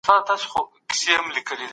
لس نور رانيسي.